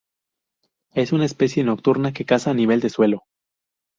Es una especie nocturna, que caza a nivel de suelo.